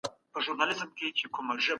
د انسانانو ترمنځ مساوات به لا ډیر سي.